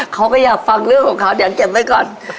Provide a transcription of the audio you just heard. เขาก็อยากฟังเรื่องของเขาเดี๋ยวเก็บไว้ก่อน